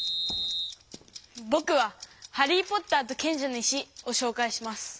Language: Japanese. ぼくは「ハリー・ポッターと賢者の石」をしょうかいします。